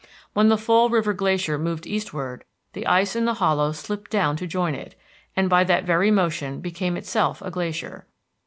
When the Fall River Glacier moved eastward, the ice in the hollow slipped down to join it, and by that very motion became itself a glacier.